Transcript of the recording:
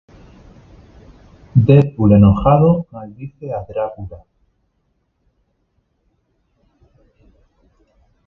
Deadpool enojado maldice a Dracula.